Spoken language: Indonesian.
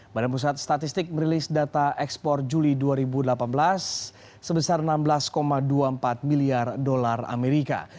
badan pusat statistik merilis data ekspor juli dua ribu delapan belas sebesar enam belas dua puluh empat miliar dolar amerika